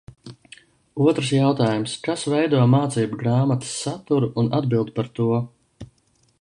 Otrs jautājums: kas veido mācību grāmatas saturu un atbild par to?